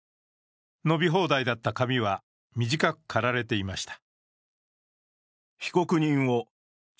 伸び放題だった髪は短く刈られていました。